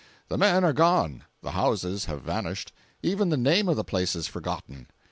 The men are gone, the houses have vanished, even the name of the place is forgotten.